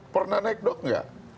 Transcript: pernah naik dock gak